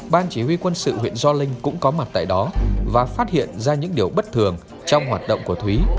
ban chỉ huy quân sự huyện gio linh cũng có mặt tại đó và phát hiện ra những điều bất thường trong hoạt động của thúy